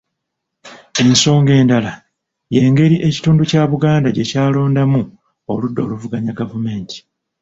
Ensonga endala, y'engeri ekitundu kya Buganda gye kyalondamu oludda oluvuganya Gavumenti